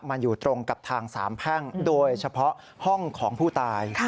มันอยู่ตรงกับทางสามแพ่งโดยเฉพาะห้องของผู้ตาย